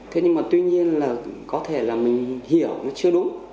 thế nhưng mà tuy nhiên là có thể là mình hiểu nó chưa đúng